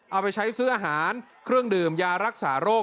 เอาไปใช้ซื้ออาหารเครื่องดื่มยารักษาโรค